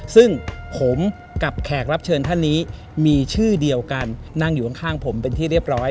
ซึ่งผมกับแขกรับเชิญท่านนี้มีชื่อเดียวกันนั่งอยู่ข้างผมเป็นที่เรียบร้อย